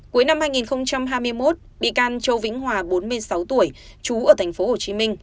cuối năm hai nghìn hai mươi một bị can châu vĩnh hòa bốn mươi sáu tuổi chú ở thành phố hồ chí minh